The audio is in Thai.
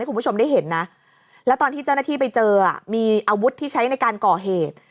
คุณผู้ชมได้เห็นนะแล้วตอนที่เจ้าหน้าที่ไปเจอมีอาวุธที่ใช้ในการก่อเหตุ